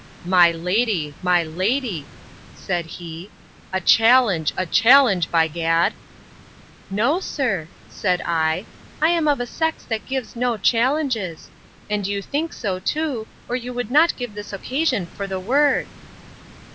—My lady! my lady! said he, a challenge, a challenge, by gad! No, sir, said I, I am of a sex that gives no challenges; and you think so too, or you would not give this occasion for the word.